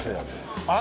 あっ！